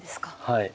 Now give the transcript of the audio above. はい。